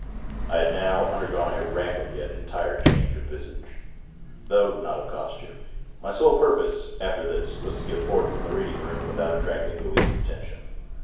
I had now under gone a rapid yet entire change of visage, though not of costume. My sole purpose, after this, was to get forth from the reading room with out attracting the least attention.